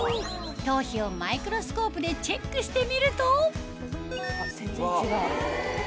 頭皮をマイクロスコープでチェックしてみると全然違う。